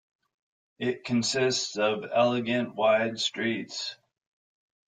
It consists of elegant wide streets.